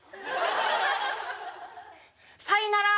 「さいなら」。